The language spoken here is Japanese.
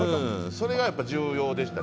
それがやっぱ重要でした。